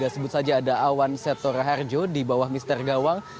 sebut saja ada awan setor harjo di bawah mister gawang